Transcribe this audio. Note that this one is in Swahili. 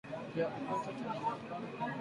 Bya ku kata tena ma mpango abikalakeko